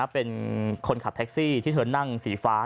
เป็นคนขับแท็กซี่ที่เธอนั่งสีฟ้า